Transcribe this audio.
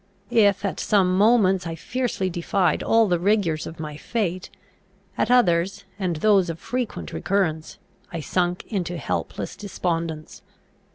If at some moments I fiercely defied all the rigours of my fate, at others, and those of frequent recurrence, I sunk into helpless despondence.